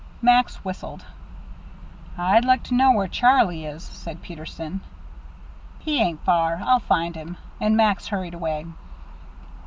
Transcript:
Max whistled. "I'd like to know where Charlie is," said Peterson. "He ain't far. I'll find him;" and Max hurried away.